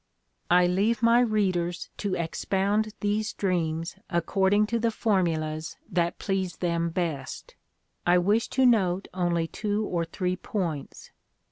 I leave my readers to expound these dreams according to the formulas that please them best. I wish to note only two or three points.